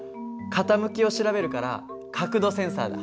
傾きを調べるから角度センサーだ。